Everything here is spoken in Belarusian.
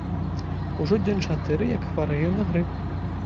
Ужо дзён чатыры, як хварэю на грып.